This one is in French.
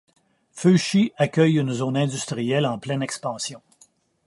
Feuchy accueille une zone industrielle en pleine expansion.